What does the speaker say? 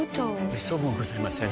めっそうもございません。